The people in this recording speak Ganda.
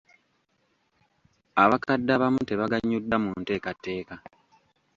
Abakadde abamu tabaganyuddwa mu nteekateeka.